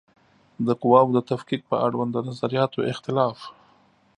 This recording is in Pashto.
د قواوو د تفکیک په اړوند د نظریاتو اختلاف